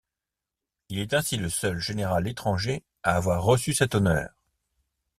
Il est ainsi le seul général étranger à avoir reçu cet honneur.